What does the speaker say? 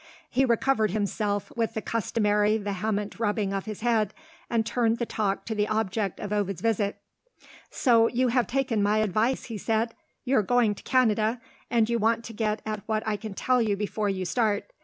He recovered himself, with the customary vehement rubbing of his head, and turned the talk to the object of Ovid's visit. "So you have taken my advice," he said. "You're going to Canada, and you want to get at what I can tell you before you start.